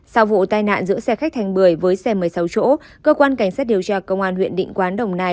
sau vụ tai nạn giữa xe khách thành bưởi với xe một mươi sáu chỗ cơ quan cảnh sát điều tra công an huyện định quán đồng nai